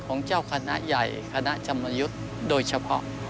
ของเจ้าคณะใหญ่คณะกรรมยุทธ์โดยเฉพาะ